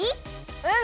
うん！